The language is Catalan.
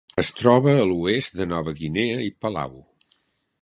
Es troba a l'oest de Nova Guinea i Palau.